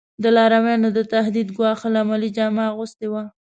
د لارویانو د تهدید ګواښل عملي جامه اغوستې وه.